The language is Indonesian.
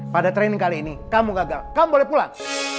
pada training kali ini kamu gagal kamu boleh pulang